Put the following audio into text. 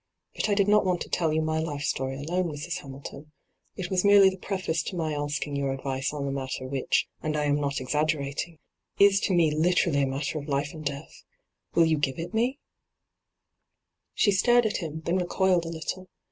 But I did not want to tell you my life story alone, Mrs. Hamilton. It was merely the preface to my asking your advice on a matter which — and I am not exaggerating — is to me literally a matter of life and death ! Will you give it me V She stared at him, then recoiled a little.